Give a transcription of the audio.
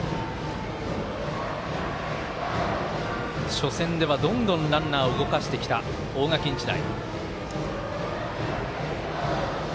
初戦ではどんどんランナーを動かしてきた大垣日大。